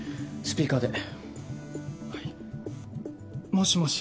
もしもし。